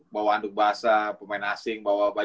bawa anduk basah pemain asing bawa